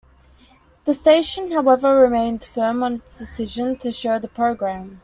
The station, however, remained firm on its decision to show the program.